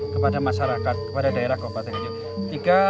kepada masyarakat kepada daerah kabupaten nganjuk